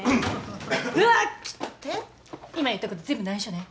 今言ったこと全部内緒ね。